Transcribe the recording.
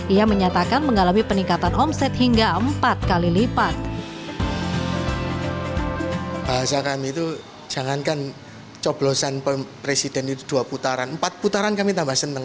ia menyatakan mengalami peningkatan omset hingga empat kali lipat